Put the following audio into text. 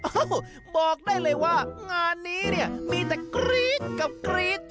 บอกได้เลยว่างานนี้เนี่ยมีแต่กรี๊ดกับกรี๊ด